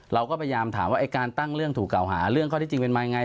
เราก็พยายามถามว่าไอ้การตั้งเรื่องถูกเก่าหาเรื่องข้อที่จริงเป็นมายังไง